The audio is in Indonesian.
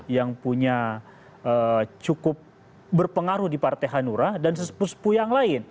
yang punya cukup berpengaruh di partai hanura dan sepupu sepuh yang lain